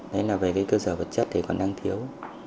đấy là về cái cơ sở vật chất thì còn đang thiếu